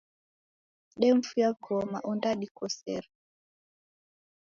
Demfuya w'ughoma ondadikosera.